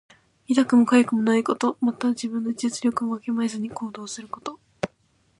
痛くもかゆくもないこと。また、自分の実力をわきまえずに行動すること。